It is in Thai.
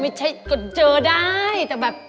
ไม่ใช่ก็เจอได้แต่แบบ